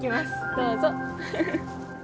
どうぞ。